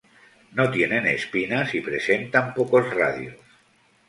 No tienen espinas, y presentan pocos radios.